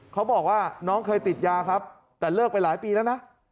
เขาบอกว่าน้องเคยติดยาครับแต่เลิกไปหลายปีแล้วนะ